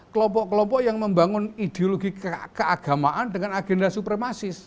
kelompok kelompok yang membangun ideologi keagamaan dengan agenda supremasis